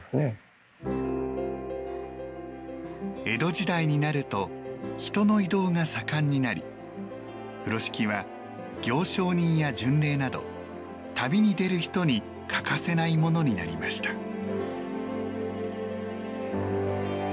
江戸時代になると人の移動が盛んになり風呂敷は行商人や巡礼など旅に出る人に欠かせないものになりました。